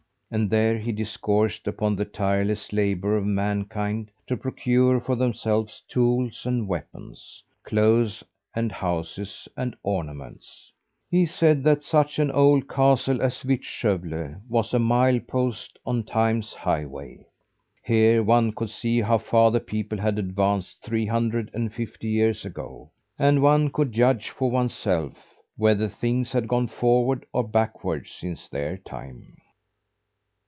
And there he discoursed upon the tireless labour of mankind to procure for themselves tools and weapons, clothes and houses and ornaments. He said that such an old castle as Vittskövle was a mile post on time's highway. Here one could see how far the people had advanced three hundred and fifty years ago; and one could judge for oneself whether things had gone forward or backward since their time.